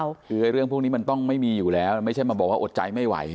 คือเรื่องพวกนี้มันต้องไม่มีอยู่แล้วไม่ใช่มาบอกว่าอดใจไม่ไหว